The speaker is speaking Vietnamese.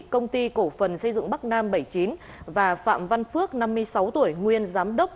công ty cổ phần xây dựng bắc nam bảy mươi chín và phạm văn phước năm mươi sáu tuổi nguyên giám đốc